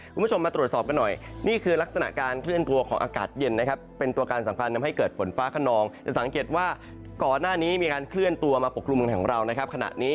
คุณผู้ชมมาตรวจสอบกันหน่อยนี่คือลักษณะการเคลื่อนตัวของอากาศเย็นนะครับ